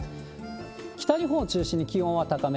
北日本を中心に気温は高め。